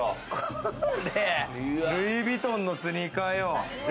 ルイ・ヴィトンのスニーカーよ。